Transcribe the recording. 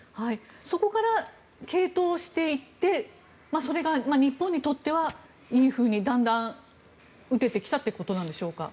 そこから継投していってそれが日本にとってはいいふうに、だんだん打てて来たということなんでしょうか。